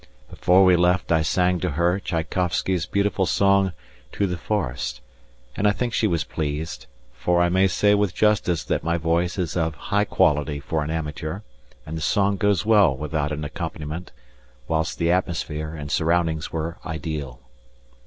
Before we left I sang to her Tchaikowsky's beautiful song, "To the Forest," and I think she was pleased, for I may say with justice that my voice is of high quality for an amateur, and the song goes well without an accompaniment, whilst the atmosphere and surroundings were ideal.